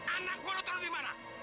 anakmu lu terlalu dimana